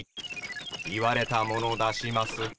言われたもの出します。